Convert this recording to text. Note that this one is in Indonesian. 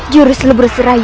jurus lebrus rai itu